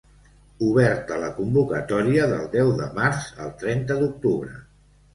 Oberta la convocatòria del deu de març al trenta d'octubre.